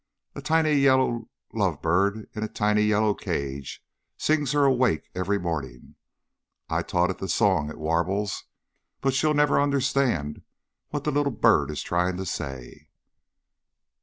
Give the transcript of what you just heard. A tiny yellow love bird in a tiny yellow cage sings her awake every morning. I taught it the song it warbles, but she'll never understand what the little bird is trying to say."